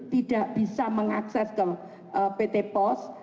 tidak bisa mengakses ke pt pos